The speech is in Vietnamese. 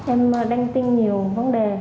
em đăng tin nhiều vấn đề